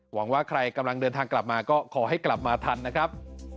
ว่าใครกำลังเดินทางกลับมาก็ขอให้กลับมาทันนะครับ